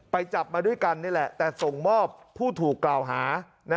จับมาด้วยกันนี่แหละแต่ส่งมอบผู้ถูกกล่าวหา